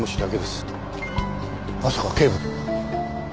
まさか警部。